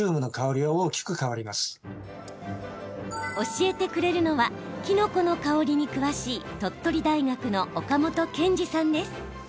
教えてくれるのはキノコの香りに詳しい鳥取大学の岡本賢治さんです。